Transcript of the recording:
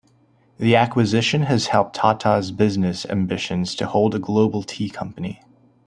The acquisition has helped Tata's business ambitions to hold a global tea company.